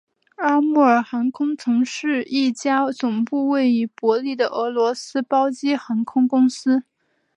阿穆尔航空曾是一家总部位于伯力的俄罗斯包机航空公司。